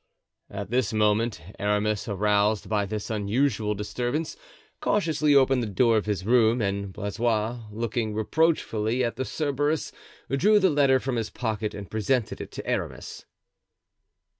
At this moment Aramis, aroused by this unusual disturbance, cautiously opened the door of his room; and Blaisois, looking reproachfully at the Cerberus, drew the letter from his pocket and presented it to Aramis.